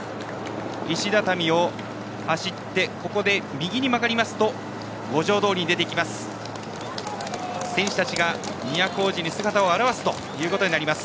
石畳を走って右に曲がりますと五条通に出て行きます。